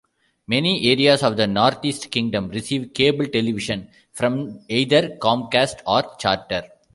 Many areas of the Northeast Kingdom receive cable television from either Comcast or Charter.